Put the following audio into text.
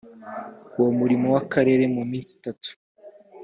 w umurimo w akarere mu minsi itatu